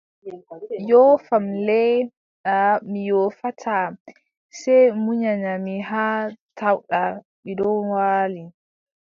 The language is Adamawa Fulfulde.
Yoofam le, aaʼa mi yoofataa, sey munyana mi haa tawɗa mi ɗon waali,